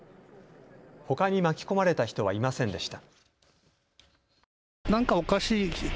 ほかに巻き込まれた人はいませんでした。